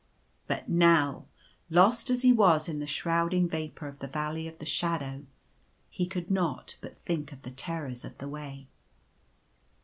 But now, lost as he was in the shrouding vapour of the Valley of the Shadow, he could not but think of the terrors of the way.